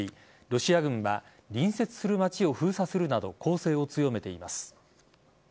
ロシア軍は隣接する街を封鎖するなど攻勢を強めています。